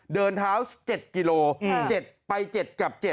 เดินเท้าเจ็ดกิโลอืมเจ็ดไปเจ็ดกับเจ็ด